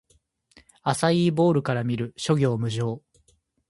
アサイーボウルから見る！諸行無常